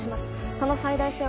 その最大性を